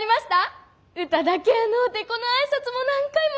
歌だけやのうてこの挨拶も何回も練習したんです！